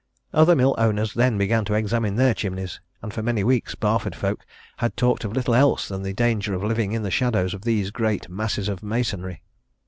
Other mill owners then began to examine their chimneys, and for many weeks Barford folk had talked of little else than the danger of living in the shadows of these great masses of masonry.